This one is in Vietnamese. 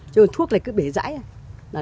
chứ thuốc này cứ bể rãi thôi